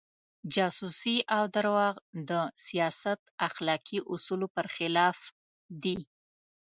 جاسوسي او درواغ د سیاست اخلاقي اصولو پر خلاف دي.